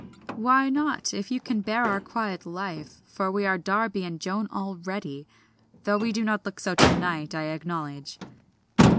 "Why not, if you can bear our quiet life, for we are a Darby and Joan already, though we do not look so to night, I acknowledge."